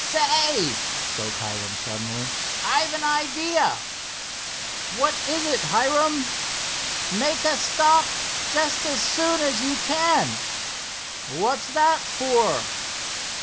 "Say," spoke Hiram suddenly, "I've an idea." "What is it, Hiram?" "Make a stop just as soon as you can." "What's that for?"